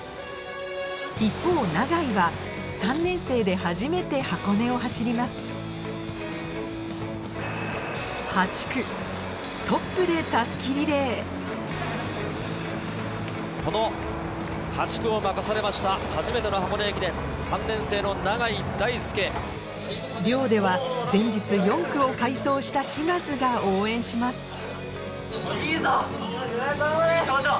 一方永井は３年生で初めて箱根を走ります寮では前日４区を快走した嶋津が応援します